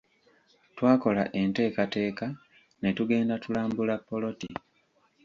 Twakola enteekateeka ne tugenda tulambula ppoloti.